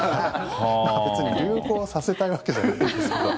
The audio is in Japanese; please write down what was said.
別に流行させたいわけじゃないんですけど。